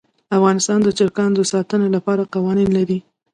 افغانستان د چرګان د ساتنې لپاره قوانین لري.